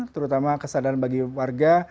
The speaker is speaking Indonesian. terutama kesadaran bagi warga